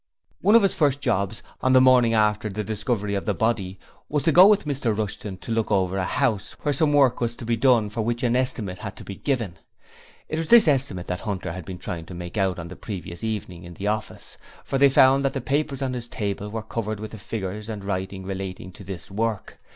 One of his first jobs on the morning after the discovery of the body was to go with Mr Rushton to look over a house where some work was to be done for which an estimate had to be given. It was this estimate that Hunter had been trying to make out the previous evening in the office, for they found that the papers on his table were covered with figures and writing relating to this work.